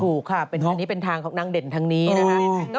ถูกค่ะอันนี้เป็นทางของนางเด่นทางนี้นะคะ